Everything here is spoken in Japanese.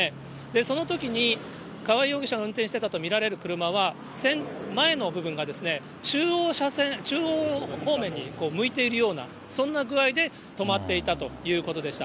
そのときに川合容疑者が運転してたと見られる車は、前の部分が中央車線、中央方面に向いているような、そんな具合で止まっていたということでした。